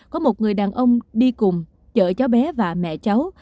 có một người đàn ông đi cùng chở cháu bé và mẹ cháu